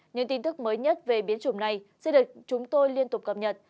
những tin tức mới nhất về biến chủng này sẽ được chúng tôi liên tục cập nhật